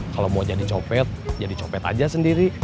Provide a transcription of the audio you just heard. kalau mau jadi copet jadi copet aja sendiri